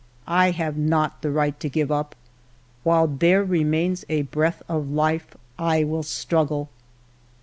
I have not the right to give up. While there re mains a breath of life I will struggle.